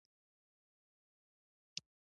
آمو سیند د افغانستان د چاپیریال ساتنې لپاره مهم دي.